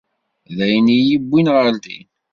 D ayen i yi-yewwin ɣer din.